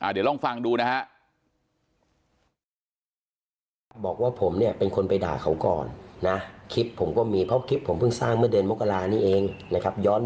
เดี๋ยวลองฟังดูนะฮะ